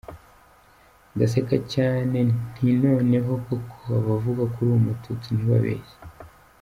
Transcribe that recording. Ndaseka cyane, nti noneho koko abavuga ko uri umututsi ntibabeshya.